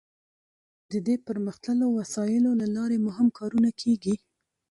د دې پرمختللو وسایلو له لارې مهم کارونه کیږي.